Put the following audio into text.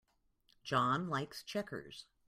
John likes checkers.